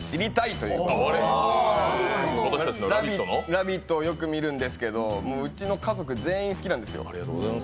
「ラヴィット！」をよく見るんですけどうちの家族、全員好きなんですよ。